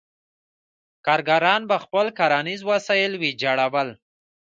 کارګران به خپل کرنیز وسایل ویجاړول.